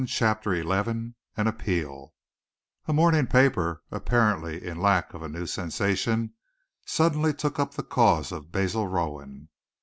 CHAPTER XI AN APPEAL A morning paper, apparently in lack of a new sensation, suddenly took up the cause of Basil Rowan.